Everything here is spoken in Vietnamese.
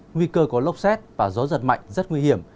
nguy cơ có lốc xét và gió giật mạnh rất nguy hiểm